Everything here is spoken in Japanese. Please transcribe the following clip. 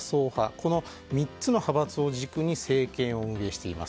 この３つの派閥を軸に政権を運営しています。